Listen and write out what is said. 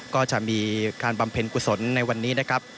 ก็จะมีการบำเพ็ญกุศลในวันนี้นะครับ